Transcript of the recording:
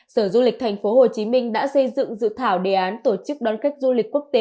sở du lịch thành phố hồ chí minh đã xây dựng dự thảo đề án tổ chức đón khách du lịch quốc tế